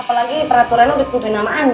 apalagi peraturan udah tentuin sama andin